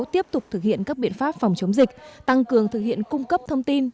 tiếp tục thực hiện các biện pháp phòng chống dịch tăng cường thực hiện cung cấp thông tin